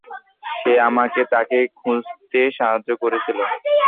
সে আমাকে তাকে খুঁজতে সাহায্য করেছিল।